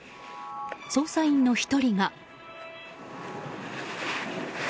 捜査員の１人が。